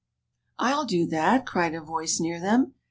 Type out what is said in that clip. " I'll do that !" cried a voice near them.